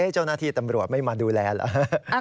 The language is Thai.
เจ้าหน้าที่ตำรวจไม่มาดูแลเหรอ